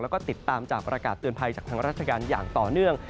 แล้วก็ติดตามจากประกาศเตือนภัยจากทางราชการอย่างต่อเนื่อง